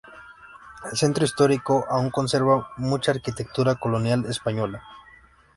El centro histórico aún conserva mucha arquitectura colonial española.